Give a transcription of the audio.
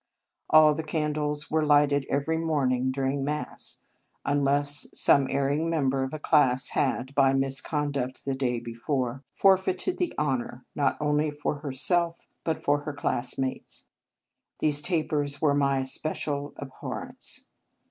All the candles were lighted every morning during Mass, unless some erring member of a class had, by misconduct the day before, forfeited the honour, not only for herself, but H Marianus for her classmates. These tapers were my especial abhorrence.